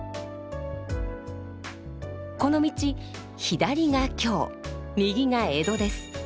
この道左が京右が江戸です。